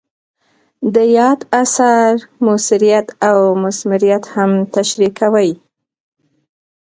د یاد اثر مؤثریت او مثمریت هم تشریح کوي.